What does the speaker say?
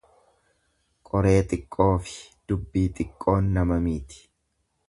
Qoree xiqqoofi dubbii xiqqoon nama miiti.